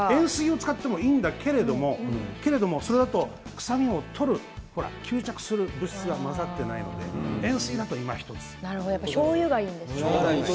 塩水を使ってもいいけれども、そうすると臭みを取る、吸着する物質が混ざっていないのでしょうゆがいいんですね。